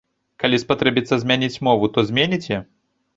Калі спатрэбіцца змяніць мову, то зменіце?